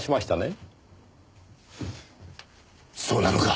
そうなのか？